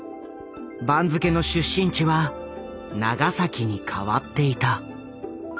番付の出身地は「長崎」に変わっていた。